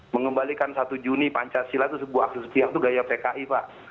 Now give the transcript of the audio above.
mengembalikan satu juni pancasila itu sebuah akses setia itu gaya pki pak